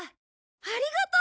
ありがとう！